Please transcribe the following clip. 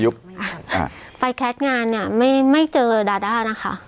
ไปแคสต์งานเนี่ยไม่เจอดาดานะคะ